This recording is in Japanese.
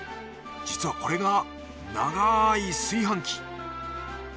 実はこれが長い炊飯器。